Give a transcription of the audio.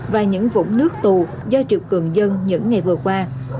và những vũng nước tù do triệu cường dân những ngày vừa qua